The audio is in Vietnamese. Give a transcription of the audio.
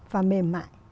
và mềm mại